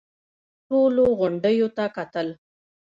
ټولو غونډيو ته کتل.